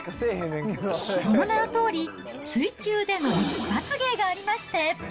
その名のとおり、水中での一発芸がありまして。